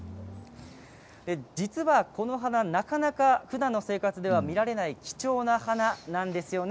実はこの花は、なかなかふだんの生活では見られない貴重な花なんですね